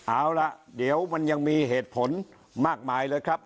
เอาล่ะเดี๋ยวมันยังมีเหตุผลมากมายเลยครับ